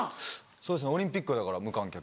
そうですねオリンピックはだから無観客。